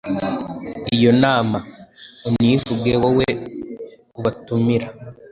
iyo nama. Univuge wowe ubatumira.